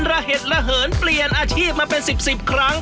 ระเห็ดระเหินเปลี่ยนอาชีพมาเป็น๑๐ครั้ง